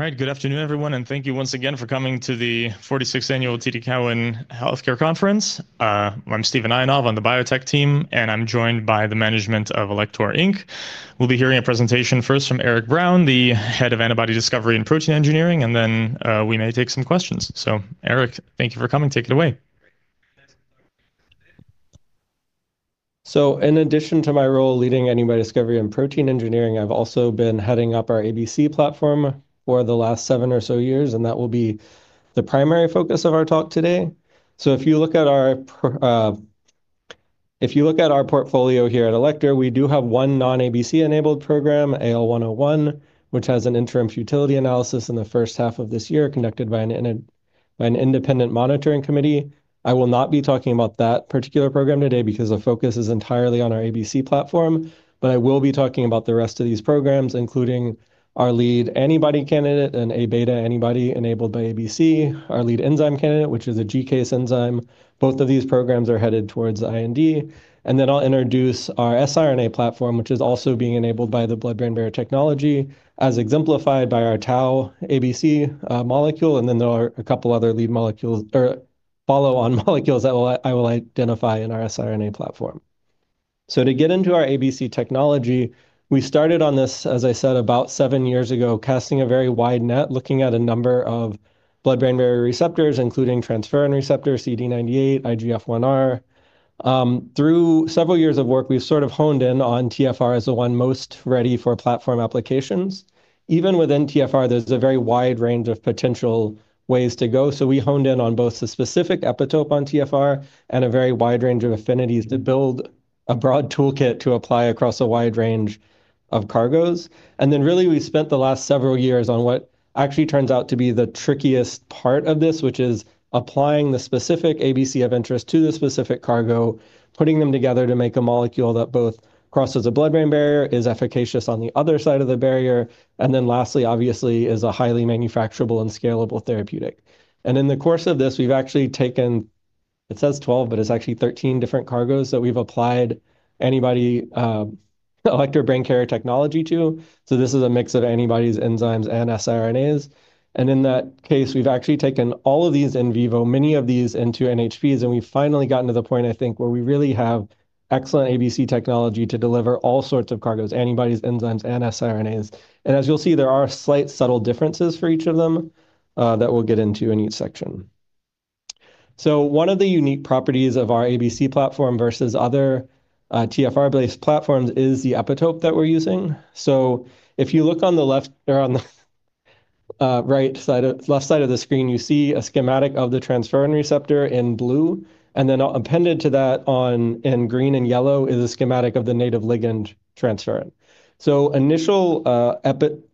All right. Good afternoon, everyone. Thank you once again for coming to the 46th Annual TD Cowen Healthcare Conference. I'm Steven Holtzman. I'm the biotech team, and I'm joined by the management of Alector, Inc. We'll be hearing a presentation first from Eric Brown, the Head of Antibody Discovery and Protein Engineering. We may take some questions. Eric, thank you for coming. Take it away. In addition to my role leading antibody discovery and protein engineering, I've also been heading up our ABC platform for the last seven or so years, and that will be the primary focus of our talk today. If you look at our portfolio here at Alector, we do have one non-ABC-enabled program, AL101, which has an interim futility analysis in the first half of this year conducted by an independent monitoring committee. I will not be talking about that particular program today because the focus is entirely on our ABC platform. I will be talking about the rest of these programs, including our lead antibody candidate and Aβ antibody enabled by ABC, our lead enzyme candidate, which is a GCase enzyme. Both of these programs are headed towards IND. I'll introduce our siRNA platform, which is also being enabled by the blood-brain barrier technology as exemplified by our tau ABC molecule. There are a couple other lead molecules or follow-on molecules that I will identify in our siRNA platform. To get into our ABC technology, we started on this, as I said, about seven years ago, casting a very wide net, looking at a number of blood-brain barrier receptors, including transferrin receptor, CD98, IGF1R. Through several years of work, we've sort of honed in on TFR as the one most ready for platform applications. Even within TFR, there's a very wide range of potential ways to go, so we honed in on both the specific epitope on TFR and a very wide range of affinities to build a broad toolkit to apply across a wide range of cargos. Really we spent the last several years on what actually turns out to be the trickiest part of this, which is applying the specific ABC of interest to the specific cargo, putting them together to make a molecule that both crosses the blood-brain barrier, is efficacious on the other side of the barrier, and then lastly, obviously is a highly manufacturable and scalable therapeutic. In the course of this, we've actually taken, it says 12, but it's actually 13 different cargos that we've applied antibody, Alector Brain Carrier technology to. This is a mix of antibody's enzymes and siRNAs. In that case, we've actually taken all of these in vivo, many of these into NHPs, and we've finally gotten to the point, I think, where we really have excellent ABC technology to deliver all sorts of cargos, antibodies, enzymes, and sRNAs. As you'll see, there are slight subtle differences for each of them that we'll get into in each section. One of the unique properties of our ABC platform versus other TFR-based platforms is the epitope that we're using. If you look on the left or on the left side of the screen, you see a schematic of the transferrin receptor in blue, and then appended to that on, in green and yellow is a schematic of the native ligand transferrin.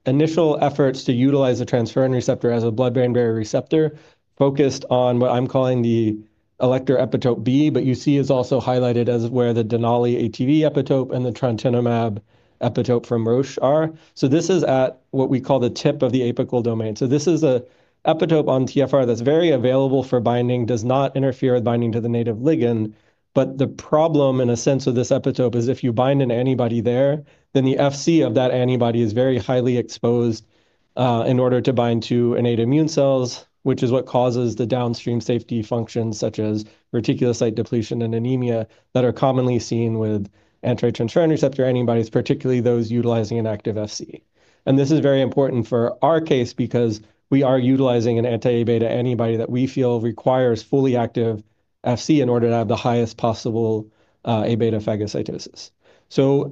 Initial efforts to utilize a transferrin receptor as a blood-brain barrier receptor focused on what I'm calling the Alector epitope B, but you see is also highlighted as where the Denali ATV epitope and the Trontinemab epitope from Roche are. This is at what we call the tip of the apical domain. This is a epitope on TFR that's very available for binding, does not interfere with binding to the native ligand. But the problem in a sense of this epitope is if you bind an antibody there, then the Fc of that antibody is very highly exposed in order to bind to innate immune cells, which is what causes the downstream safety functions such as reticulocyte depletion and anemia that are commonly seen with anti-transferrin receptor antibodies, particularly those utilizing an active Fc. This is very important for our case because we are utilizing an anti-Aβ antibody that we feel requires fully active Fc in order to have the highest possible Aβ phagocytosis.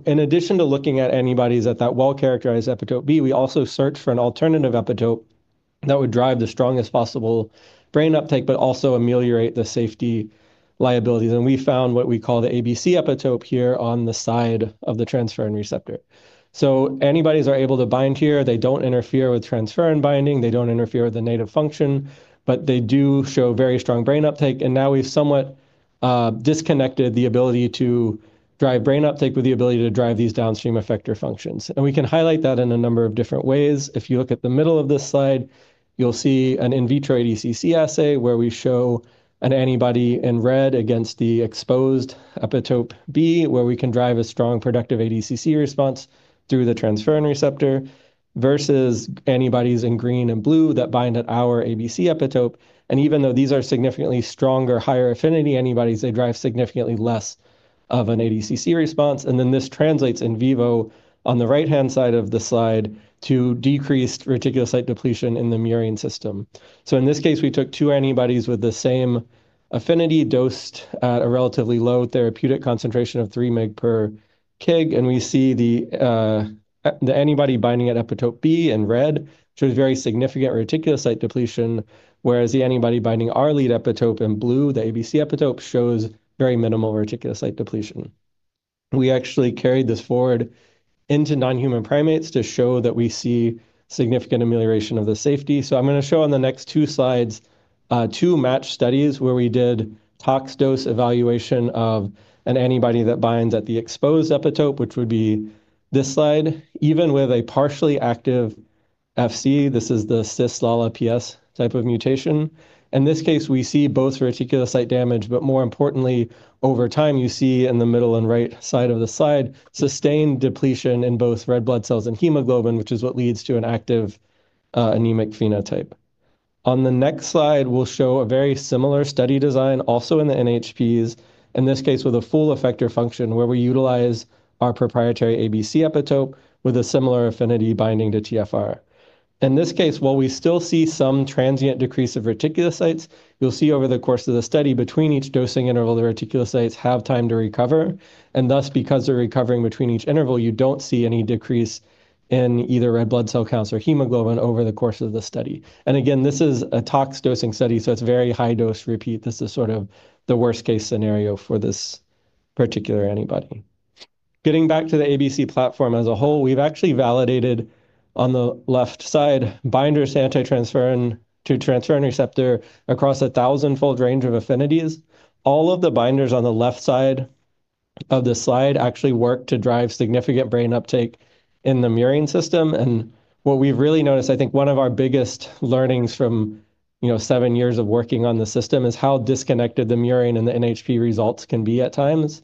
In addition to looking at antibodies at that well-characterized epitope B, we also searched for an alternative epitope that would drive the strongest possible brain uptake but also ameliorate the safety liabilities. We found what we call the ABC epitope here on the side of the transferrin receptor. Antibodies are able to bind here. They don't interfere with transferrin binding. They don't interfere with the native function, but they do show very strong brain uptake. Now we've somewhat disconnected the ability to drive brain uptake with the ability to drive these downstream effector functions. We can highlight that in a number of different ways. If you look at the middle of this slide, you'll see an in vitro ADCC assay where we show an antibody in red against the exposed epitope B, where we can drive a strong productive ADCC response through the transferrin receptor versus antibodies in green and blue that bind at our ABC epitope. Even though these are significantly stronger higher affinity antibodies, they drive significantly less of an ADCC response. This translates in vivo on the right-hand side of the slide to decreased reticulocyte depletion in the murine system. In this case, we took two antibodies with the same affinity dosed at a relatively low therapeutic concentration of 3 mg per kg, and we see the antibody binding at epitope B in red shows very significant reticulocyte depletion, whereas the antibody binding our lead epitope in blue, the ABC epitope, shows very minimal reticulocyte depletion. We actually carried this forward into non-human primates to show that we see significant amelioration of the safety. I'm gonna show on the next two slides, two match studies where we did tox dose evaluation of an antibody that binds at the exposed epitope, which would be this slide. Even with a partially active Fc, this is the cis LALA-PG type of mutation. In this case, we see both reticulocyte damage, more importantly, over time, you see in the middle and right side of the slide, sustained depletion in both red blood cells and hemoglobin, which is what leads to an active anemic phenotype. On the next slide, we'll show a very similar study design also in the NHPs, in this case with a full effector function where we utilize our proprietary ABC epitope with a similar affinity binding to TFR. In this case, while we still see some transient decrease of reticulocytes, you'll see over the course of the study between each dosing interval, the reticulocytes have time to recover, thus because they're recovering between each interval, you don't see any decrease in either red blood cell counts or hemoglobin over the course of the study. Again, this is a tox dosing study, it's very high dose repeat. This is sort of the worst case scenario for this particular antibody. Getting back to the ABC platform as a whole, we've actually validated on the left side binders anti-transferrin to transferrin receptor across a 1,000-fold range of affinities. All of the binders on the left side of the slide actually work to drive significant brain uptake in the murine system. What we've really noticed, I think one of our biggest learnings from, you know, seven years of working on the system is how disconnected the murine and the NHP results can be at times.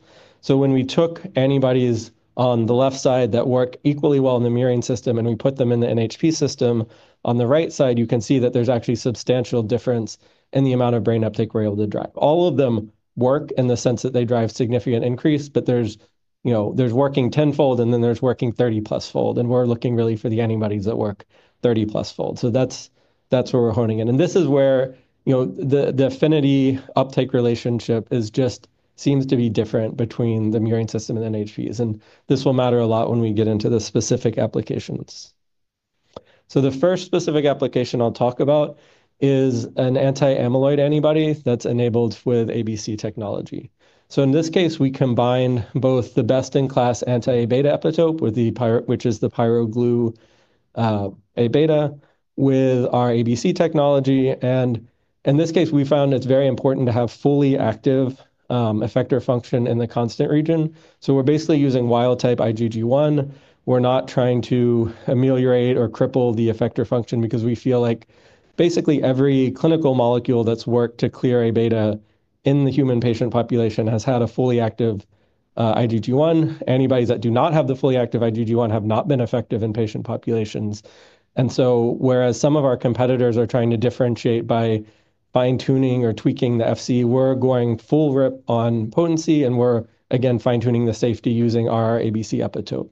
When we took antibodies on the left side that work equally well in the murine system, and we put them in the NHP system on the right side, you can see that there's actually substantial difference in the amount of brain uptake we're able to drive. All of them work in the sense that they drive significant increase, but there's, you know, working 10-fold and then there's working 30+ fold, and we're looking really for the antibodies that work 30+ fold. That's where we're honing in. This is where, you know, the affinity uptake relationship just seems to be different between the murine system and NHPs, and this will matter a lot when we get into the specific applications. The first specific application I'll talk about is an anti-amyloid antibody that's enabled with ABC technology. In this case, we combine both the best in class anti-Aβ epitope with the pyroglu Aβ with our ABC technology. In this case, we found it's very important to have fully active effector function in the constant region. We're basically using wild type IgG1. We're not trying to ameliorate or cripple the effector function because we feel like basically every clinical molecule that's worked to clear Aβ in the human patient population has had a fully active IgG1. Antibodies that do not have the fully active IgG1 have not been effective in patient populations. Whereas some of our competitors are trying to differentiate by fine-tuning or tweaking the Fc, we're going full rip on potency, and we're again fine-tuning the safety using our ABC epitope.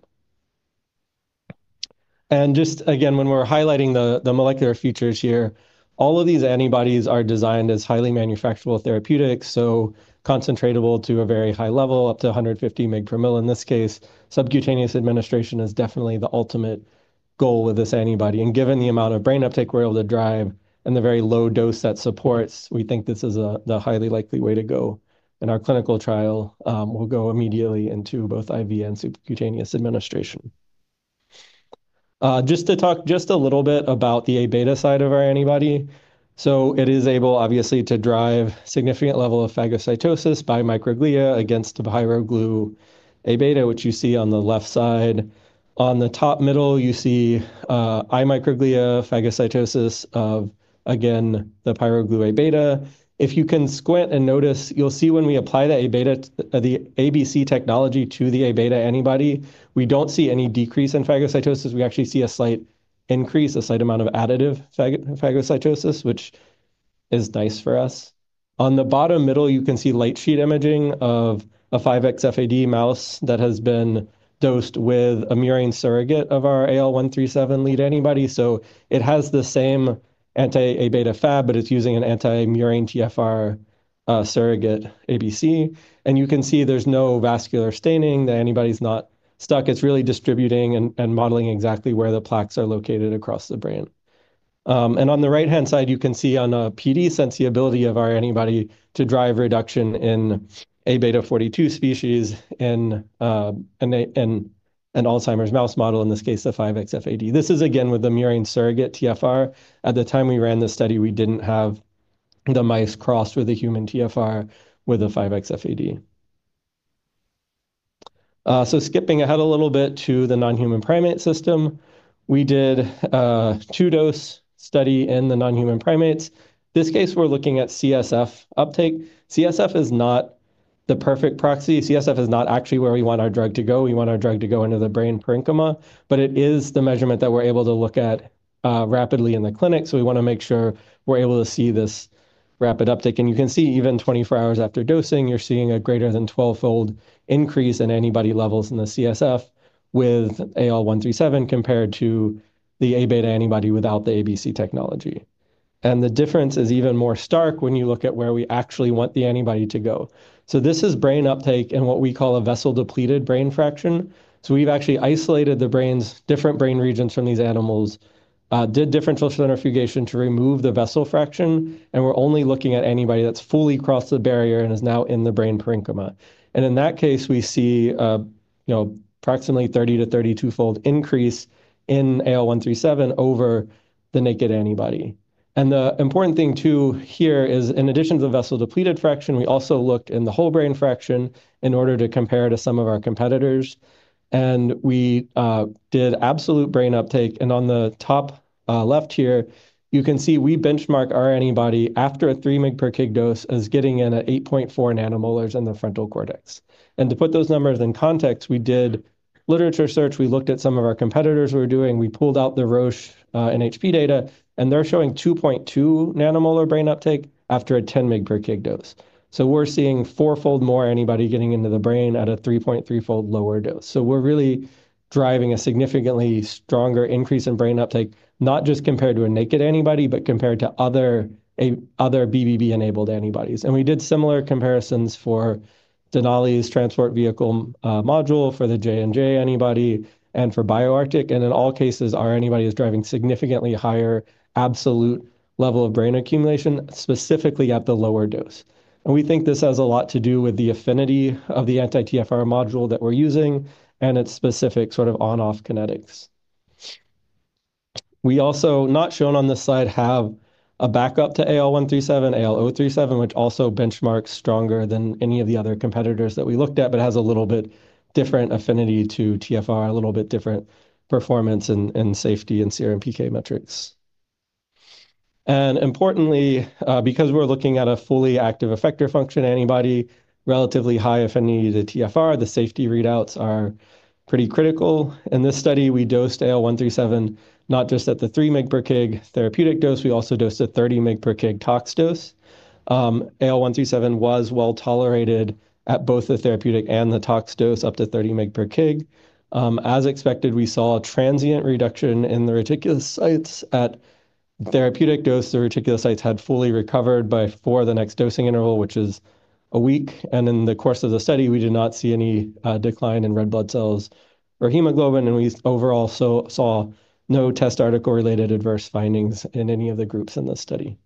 Just again, when we're highlighting the molecular features here, all of these antibodies are designed as highly manufacturable therapeutics, so concentratable to a very high level, up to 150 mg per ml in this case. Subcutaneous administration is definitely the ultimate goal with this antibody. Given the amount of brain uptake we're able to drive and the very low dose that supports, we think this is the highly likely way to go. In our clinical trial, we'll go immediately into both IV and subcutaneous administration. Just to talk just a little bit about the Abeta side of our antibody. It is able, obviously, to drive significant level of phagocytosis by microglia against the pyroglu Abeta, which you see on the left side. On the top middle, you see iMicroglia phagocytosis of, again, the pyroglu Abeta. If you can squint and notice, you'll see when we apply the ABC technology to the Abeta antibody, we don't see any decrease in phagocytosis. We actually see a slight increase, a slight amount of additive phagocytosis, which is nice for us. The bottom middle, you can see light sheet imaging of a 5xFAD mouse that has been dosed with a murine surrogate of our AL137 lead antibody. It has the same anti-Aβ Fab, but it's using an anti-murine TFR surrogate ABC. You can see there's no vascular staining. The antibody's not stuck. It's really distributing and modeling exactly where the plaques are located across the brain. On the right-hand side, you can see on a PD sensibility of our antibody to drive reduction in Aβ42 species in an Alzheimer's mouse model, in this case, the 5xFAD. This is again with the murine surrogate TFR. At the time we ran this study, we didn't have the mice crossed with the human TFR with a 5xFAD mouse. Skipping ahead a little bit to the non-human primate system, we did a two-dose study in the non-human primates. This case, we're looking at CSF uptake. CSF is not the perfect proxy. CSF is not actually where we want our drug to go. We want our drug to go into the brain parenchyma, but it is the measurement that we're able to look at, rapidly in the clinic, so we wanna make sure we're able to see this rapid uptake. You can see even 24 hours after dosing, you're seeing a greater than 12-fold increase in antibody levels in the CSF with AL137 compared to the Aβ antibody without the ABC technology. The difference is even more stark when you look at where we actually want the antibody to go. This is brain uptake in what we call a vessel depleted brain fraction. We've actually isolated the brain's different brain regions from these animals, did differential centrifugation to remove the vessel fraction, and we're only looking at antibody that's fully crossed the barrier and is now in the brain parenchyma. In that case, we see, you know, approximately 30-32 fold increase in AL137 over the naked antibody. The important thing too here is in addition to the vessel depleted fraction, we also looked in the whole brain fraction in order to compare to some of our competitors. We did absolute brain uptake. On the top, left here, you can see we benchmark our antibody after a 3 mg/kg dose as getting in at 8.4 nM in the frontal cortex. To put those numbers in context, we did literature search, we looked at some of our competitors were doing, we pulled out the Roche NHP data, and they're showing 2.2 nM brain uptake after a 10 mg/kg dose. We're seeing four fold more antibody getting into the brain at a 3.3-fold lower dose. We're really driving a significantly stronger increase in brain uptake, not just compared to a naked antibody, but compared to other BBB-enabled antibodies. We did similar comparisons for Denali's Transport Vehicle module for the J&J antibody and for BioArctic. In all cases, our antibody is driving significantly higher absolute level of brain accumulation, specifically at the lower dose. We think this has a lot to do with the affinity of the anti-TFR module that we're using and its specific sort of on-off kinetics. We also, not shown on this slide, have a backup to AL137, AL037, which also benchmarks stronger than any of the other competitors that we looked at, but has a little bit different affinity to TFR, a little bit different performance and safety in serum PK metrics. Importantly, because we're looking at a fully active effector function antibody, relatively high affinity to TFR, the safety readouts are pretty critical. In this study, we dosed AL137 not just at the 3 mg/kg therapeutic dose, we also dosed a 30 mg/kg tox dose. AL137 was well-tolerated at both the therapeutic and the tox dose up to 30 mg/kg. As expected, we saw a transient reduction in the reticulocytes. At therapeutic dose, the reticulocytes had fully recovered by... for the next dosing interval, which is a week. In the course of the study, we did not see any decline in red blood cells or hemoglobin, and we overall saw no test article-related adverse findings in any of the groups in this study.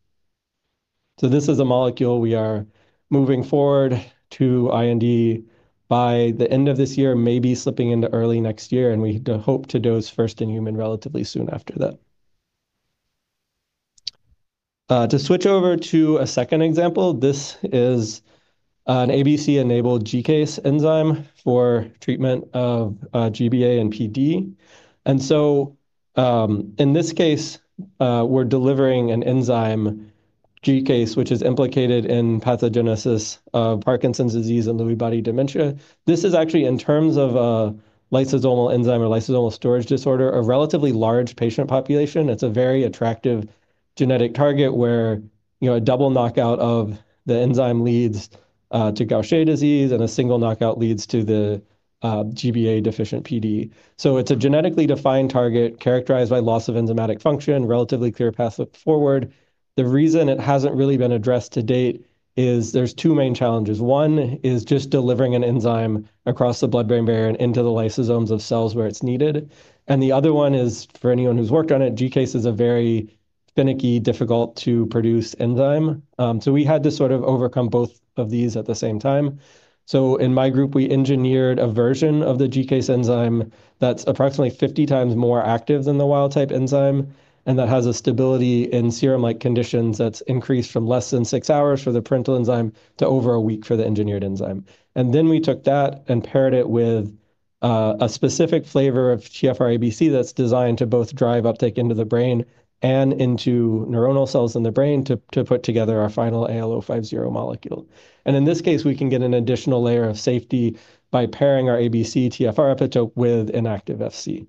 This is a molecule we are moving forward to IND by the end of this year, maybe slipping into early next year, and we hope to dose first in human relatively soon after that. To switch over to a second example, this is an ABC-enabled GCase enzyme for treatment of GBA and PD. In this case, we're delivering an enzyme GCase, which is implicated in pathogenesis of Parkinson's disease and Lewy body dementia. This is actually in terms of a lysosomal enzyme or lysosomal storage disorder, a relatively large patient population. It's a very attractive genetic target where, you know, a double knockout of the enzyme leads to Gaucher disease, and a single knockout leads to the GBA-deficient PD. It's a genetically defined target characterized by loss of enzymatic function, relatively clear path forward. The reason it hasn't really been addressed to date is there's two main challenges. One is just delivering an enzyme across the blood-brain barrier and into the lysosomes of cells where it's needed. The other one is for anyone who's worked on it, GCase is a very finicky, difficult to produce enzyme. We had to sort of overcome both of these at the same time. In my group, we engineered a version of the GCase enzyme that's approximately 50x more active than the wild-type enzyme, and that has a stability in serum-like conditions that's increased from less than 6 hours for the parental enzyme to over a week for the engineered enzyme. We took that and paired it with a specific flavor of TFR ABC that's designed to both drive uptake into the brain and into neuronal cells in the brain to put together our final AL050 molecule. In this case, we can get an additional layer of safety by pairing our ABC TFR epitope with inactive Fc.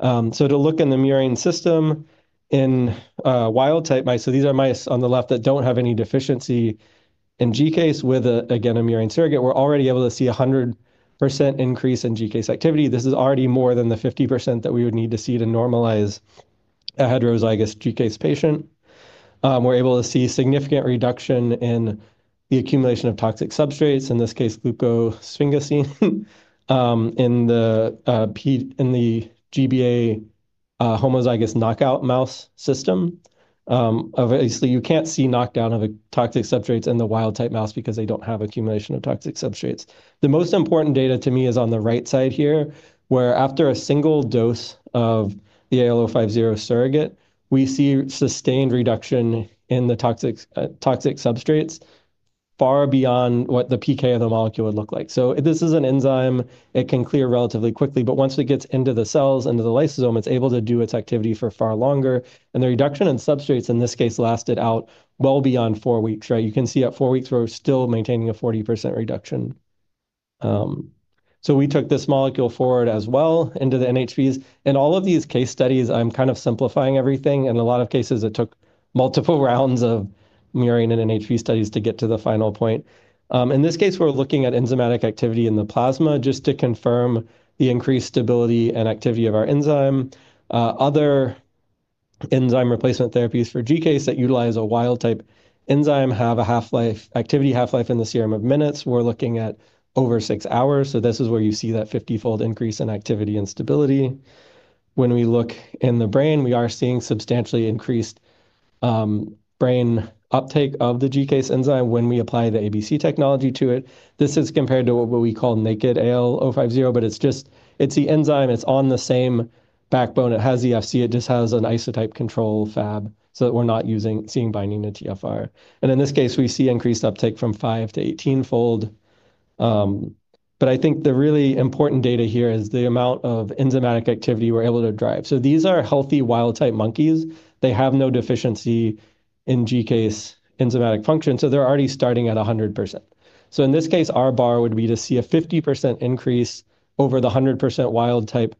To look in the murine system in wild-type mice, these are mice on the left that don't have any deficiency in GCase with again, a murine surrogate. We're already able to see a 100% increase in GCase activity. This is already more than the 50% that we would need to see to normalize a heterozygous GCase patient. We're able to see significant reduction in the accumulation of toxic substrates, in this case, glucosylsphingosine, in the GBA homozygous knockout mouse system. Obviously, you can't see knockdown of the toxic substrates in the wild-type mouse because they don't have accumulation of toxic substrates. The most important data to me is on the right side here, where after a single dose of the AL050 surrogate, we see sustained reduction in the toxic substrates far beyond what the PK of the molecule would look like. This is an enzyme. It can clear relatively quickly, but once it gets into the cells, into the lysosome, it's able to do its activity for far longer. The reduction in substrates in this case lasted out well beyond four weeks, right? You can see at four weeks, we're still maintaining a 40% reduction. We took this molecule forward as well into the NHPs. In all of these case studies, I'm kind of simplifying everything, and a lot of cases, it took multiple rounds of murine and NHP studies to get to the final point. In this case, we're looking at enzymatic activity in the plasma just to confirm the increased stability and activity of our enzyme. Other enzyme replacement therapies for GCase that utilize a wild-type enzyme have an activity half-life in the serum of minutes. We're looking at over six hours. This is where you see that 50-fold increase in activity and stability. When we look in the brain, we are seeing substantially increased brain uptake of the GCase enzyme when we apply the ABC technology to it. This is compared to what we call naked AL050, but it's just it's the enzyme, it's on the same backbone. It has the Fc, it just has an isotype control Fab so that we're not seeing binding to TFR. In this case, we see increased uptake from five to 18-fold, but I think the really important data here is the amount of enzymatic activity we're able to drive. These are healthy wild-type monkeys. They have no deficiency in GCase enzymatic function, so they're already starting at 100%. In this case, our bar would be to see a 50% increase over the 100% wild-type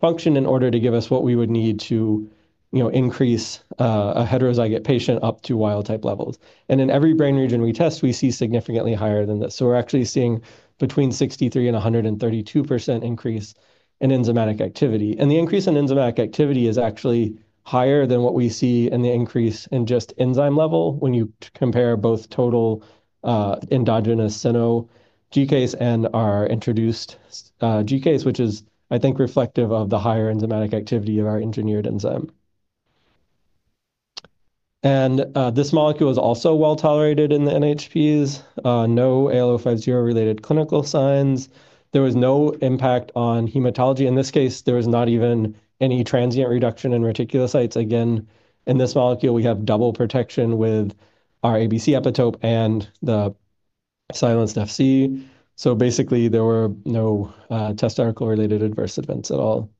function in order to give us what we would need to, you know, increase a heterozygote patient up to wild-type levels. In every brain region we test, we see significantly higher than this. We're actually seeing between 63% and 132% increase in enzymatic activity. The increase in enzymatic activity is actually higher than what we see in the increase in just enzyme level when you compare both total endogenous Sino GCase and our introduced GCase, which is, I think, reflective of the higher enzymatic activity of our engineered enzyme. This molecule is also well-tolerated in the NHPs. No AL050 related clinical signs. There was no impact on hematology. In this case, there was not even any transient reduction in reticulocytes. In this molecule, we have double protection with our ABC epitope and the silenced Fc. Basically, there were no testicle-related adverse events at all.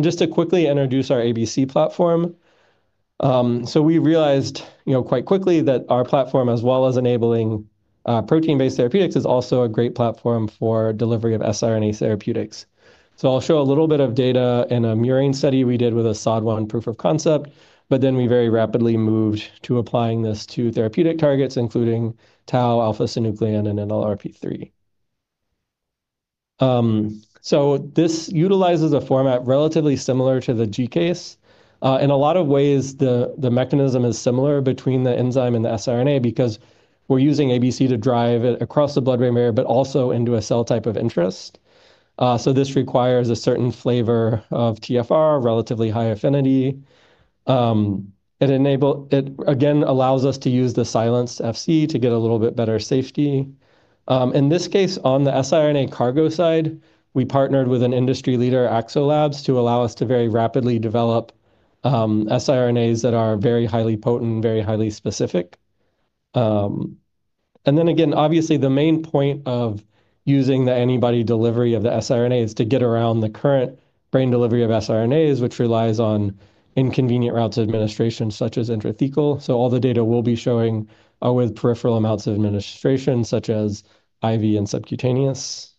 Just to quickly introduce our ABC platform. We realized, you know, quite quickly that our platform, as well as enabling protein-based therapeutics, is also a great platform for delivery of siRNA therapeutics. I'll show a little bit of data in a murine study we did with a SOD1 proof of concept, but then we very rapidly moved to applying this to therapeutic targets, including tau, alpha-synuclein, and NLRP3. This utilizes a format relatively similar to the GCase. In a lot of ways, the mechanism is similar between the enzyme and the siRNA because we're using ABC to drive it across the blood-brain barrier, but also into a cell type of interest. This requires a certain flavor of TFR, relatively high affinity. It again allows us to use the silenced Fc to get a little bit better safety. In this case, on the siRNA cargo side, we partnered with an industry leader, Axolabs, to allow us to very rapidly develop siRNAs that are very highly potent, very highly specific. Again, obviously, the main point of using the antibody delivery of the siRNA is to get around the current brain delivery of siRNAs, which relies on inconvenient routes of administration, such as intrathecal. All the data we'll be showing are with peripheral amounts of administration, such as IV and subcutaneous.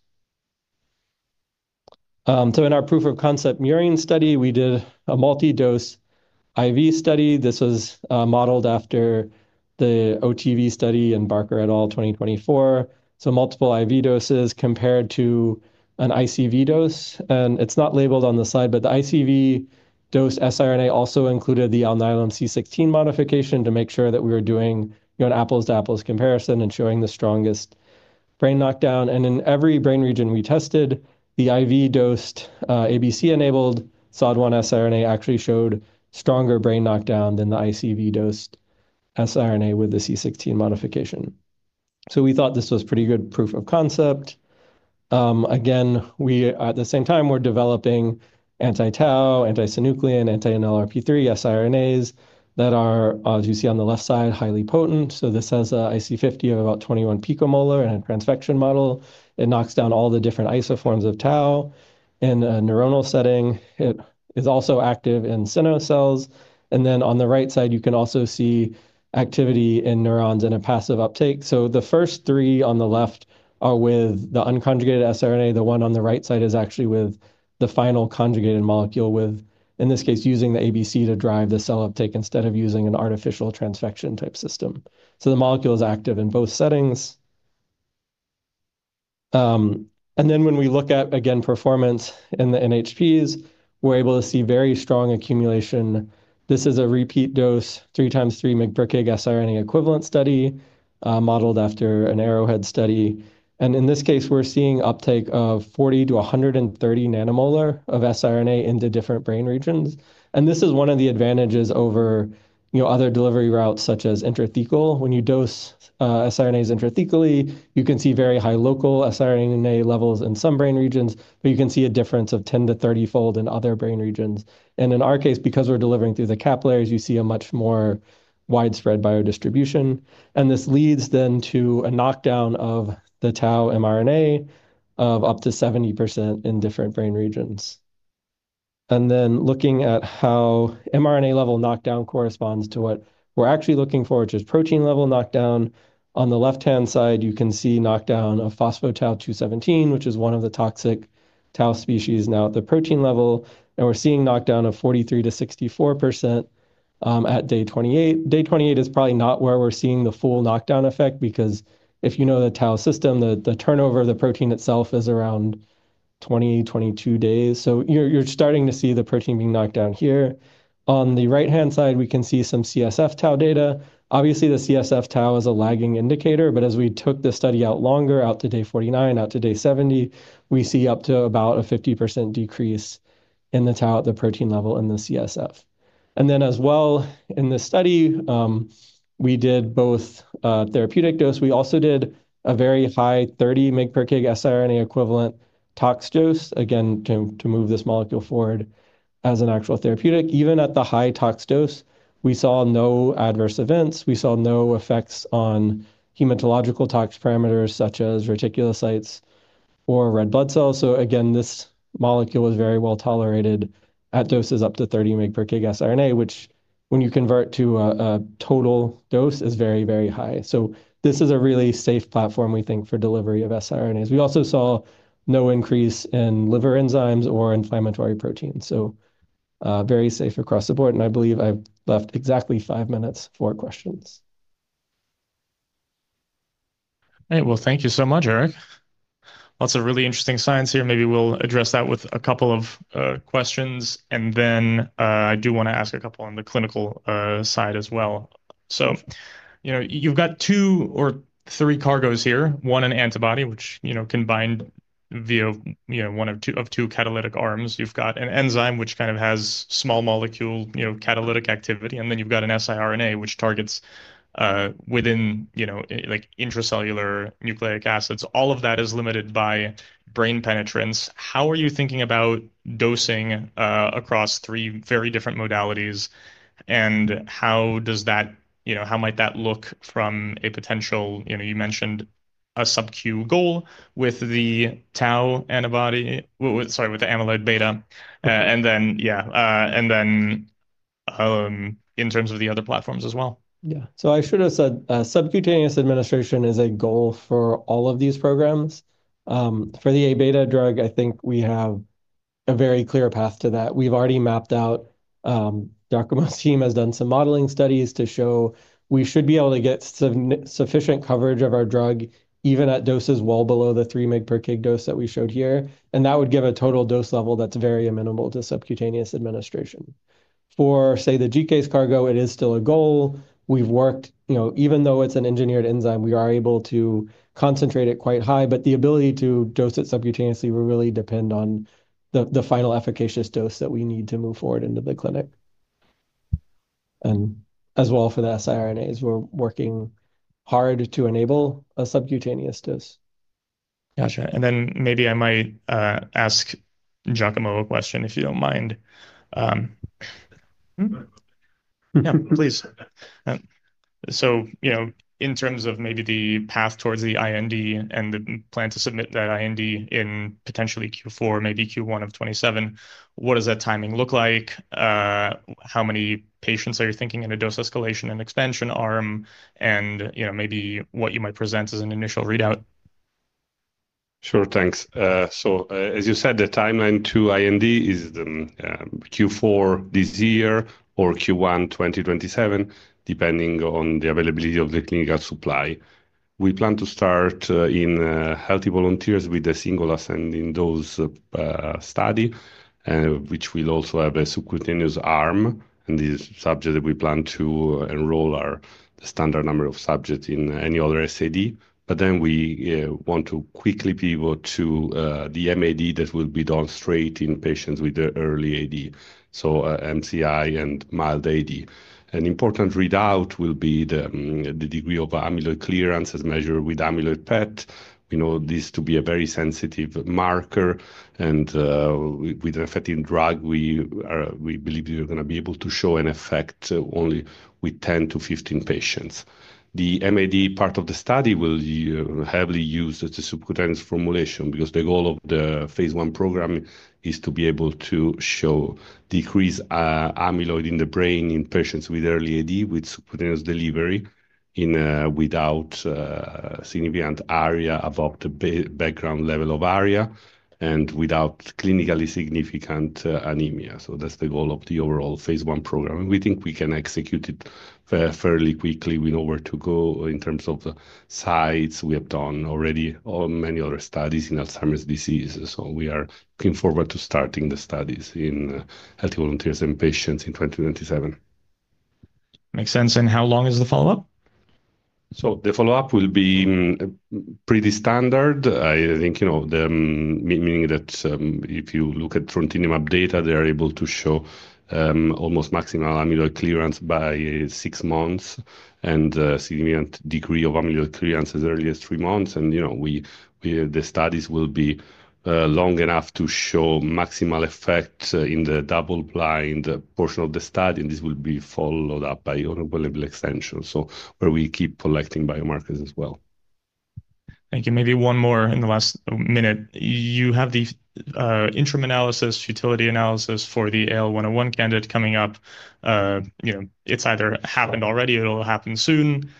In our proof of concept murine study, we did a multi-dose IV study. This was modeled after the OTV study in Barker et al. 2024. Multiple IV doses compared to an ICV dose. It's not labeled on the side, but the ICV dose siRNA also included the C16 modification to make sure that we were doing, you know, an apples-to-apples comparison and showing the strongest brain knockdown. In every brain region we tested, the IV-dosed, ABC-enabled SOD1 siRNA actually showed stronger brain knockdown than the ICV-dosed siRNA with the C16 modification. We thought this was pretty good proof of concept. Again, we at the same time were developing anti-tau, anti-synuclein, anti-NLRP3 siRNAs that are, as you see on the left side, highly potent. This has a IC50 of about 21 picomolar in a transfection model. It knocks down all the different isoforms of tau in a neuronal setting. It is also active in Sino cells. On the right side, you can also see activity in neurons in a passive uptake. The first three on the left are with the unconjugated siRNA. The one on the right side is actually with the final conjugated molecule with, in this case, using the ABC to drive the cell uptake instead of using an artificial transfection type system. The molecule is active in both settings. When we look at, again, performance in the NHPs, we're able to see very strong accumulation. This is a repeat dose, 3x3 mg per kg siRNA equivalent study, modeled after an Arrowhead study. In this case, we're seeing uptake of 40 to 130 nM of siRNA into different brain regions. This is one of the advantages over, you know, other delivery routes such as intrathecal. When you dose siRNAs intrathecally, you can see very high local siRNA levels in some brain regions, but you can see a difference of 10- to 30-fold in other brain regions. In our case, because we're delivering through the capillaries, you see a much more widespread biodistribution. This leads then to a knockdown of the tau mRNA of up to 70% in different brain regions. Looking at how mRNA level knockdown corresponds to what we're actually looking for, which is protein level knockdown. On the left-hand side, you can see knockdown of phospho-tau 217, which is one of the toxic tau species now at the protein level. We're seeing knockdown of 43%-64% at day 28. Day 28 is probably not where we're seeing the full knockdown effect because if you know the tau system, the turnover of the protein itself is around 20 days-22 days. You're starting to see the protein being knocked down here. On the right-hand side, we can see some CSF tau data. Obviously, the CSF tau is a lagging indicator, but as we took the study out longer, out to day 49, out to day 70, we see up to about a 50% decrease in the tau at the protein level in the CSF. Then as well in this study, we did both therapeutic dose. We also did a very high 30 mg per kg siRNA equivalent tox dose, again, to move this molecule forward as an actual therapeutic. Even at the high tox dose, we saw no adverse events. We saw no effects on hematological tox parameters such as reticulocytes or red blood cells. Again, this molecule is very well tolerated at doses up to 30 mg per kg siRNA, which when you convert to a total dose, is very, very high. This is a really safe platform, we think, for delivery of siRNAs. We also saw no increase in liver enzymes or inflammatory proteins, so very safe across the board, and I believe I've left exactly five minutes for questions. All right. Well, thank you so much, Eric. Lots of really interesting science here. Maybe we'll address that with a couple of questions, and then I do wanna ask a couple on the clinical side as well. You know, you've got two or three cargos here. One, an antibody, which, you know, can bind via, you know, one of two catalytic arms. You've got an enzyme which kind of has small molecule, you know, catalytic activity, and then you've got an siRNA which targets within, you know, like intracellular nucleic acids. All of that is limited by brain penetrance. How are you thinking about dosing across three very different modalities and how does that, you know, how might that look from a potential, you know, you mentioned a sub-Q goal with the tau antibody? Sorry, with the amyloid beta and then, yeah, and then, in terms of the other platforms as well. I should've said, subcutaneous administration is a goal for all of these programs. For the A-beta drug, I think we have a very clear path to that. We've already mapped out, Giacomo's team has done some modeling studies to show we should be able to get sufficient coverage of our drug even at doses well below the 3 mg per kg dose that we showed here, and that would give a total dose level that's very amenable to subcutaneous administration. For, say, the GCase cargo, it is still a goal. We've worked, you know, even though it's an engineered enzyme, we are able to concentrate it quite high, but the ability to dose it subcutaneously will really depend on the final efficacious dose that we need to move forward into the clinic. As well for the siRNAs, we're working hard to enable a subcutaneous dose. Gotcha. Then maybe I might ask Giacomo a question, if you don't mind. Please. You know, in terms of maybe the path towards the IND and the plan to submit that IND in potentially Q4, maybe Q1 of 2027, what does that timing look like? How many patients are you thinking in a dose escalation and expansion arm and, you know, maybe what you might present as an initial readout? Sure. Thanks. As you said, the timeline to IND is Q4 this year or Q1 2027, depending on the availability of the clinical supply. We plan to start in healthy volunteers with a single ascending dose study, which will also have a subcutaneous arm. In this subject, we plan to enroll our standard number of subjects in any other SAD. We want to quickly pivot to the MAD that will be done straight in patients with the early AD, so MCI and mild AD. An important readout will be the degree of amyloid clearance as measured with amyloid PET. We know this to be a very sensitive marker and with an effective drug, we believe we are gonna be able to show an effect only with 10 patients-15 patients. The MAD part of the study will heavily use the subcutaneous formulation because the goal of the phase 1 program is to be able to show decreased amyloid in the brain in patients with early AD, with subcutaneous delivery without significant ARIA above the background level of ARIA and without clinically significant anemia. That's the goal of the overall phase 1 program, and we think we can execute it fairly quickly. We know where to go in terms of the sites. We have done already on many other studies in Alzheimer's disease, so we are looking forward to starting the studies in healthy volunteers and patients in 2027. Makes sense. How long is the follow-up? The follow-up will be pretty standard. I think, you know, meaning that, if you look at donanemab data, they're able to show almost maximal amyloid clearance by 6 months and significant degree of amyloid clearance as early as three months, and, you know, we the studies will be long enough to show maximal effect in the double-blind portion of the study, and this will be followed up by an available extension, where we keep collecting biomarkers as well. Thank you. Maybe one more in the last minute. You have these, interim analysis, futility analysis for the AL101 candidate coming up. you know, it's either happened already or it'll happen soon.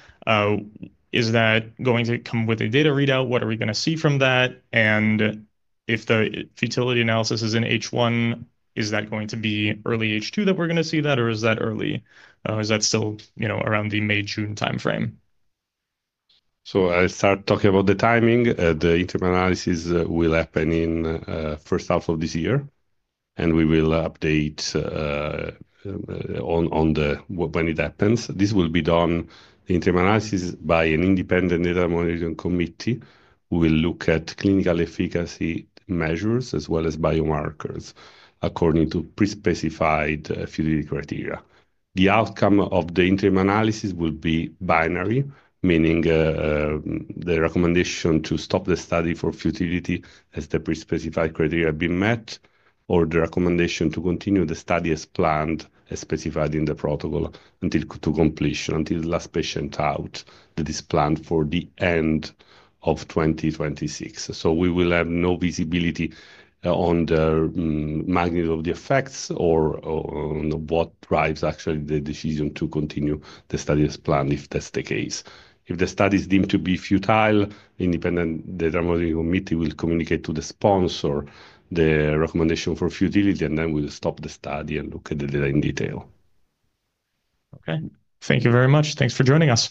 Is that going to come with a data readout? What are we gonna see from that? If the futility analysis is in H1, is that going to be early H2 that we're gonna see that or is that still, you know, around the May-June timeframe? I start talking about the timing. The interim analysis will happen in first half of this year, and we will update when it happens. This will be done, the interim analysis, by an independent data monitoring committee who will look at clinical efficacy measures as well as biomarkers according to pre-specified futility criteria. The outcome of the interim analysis will be binary, meaning the recommendation to stop the study for futility as the pre-specified criteria have been met, or the recommendation to continue the study as planned, as specified in the protocol, until to completion, until the last patient out. That is planned for the end of 2026. We will have no visibility on the magnitude of the effects or on what drives actually the decision to continue the study as planned, if that's the case. If the study is deemed to be futile, independent data monitoring committee will communicate to the sponsor the recommendation for futility, and then we'll stop the study and look at the data in detail. Okay. Thank you very much. Thanks for joining us.